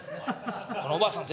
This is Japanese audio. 「このおばあさん